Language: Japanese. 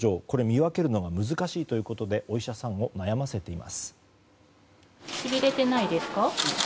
これ、見分けるのが難しいということでお医者さんを悩ませています。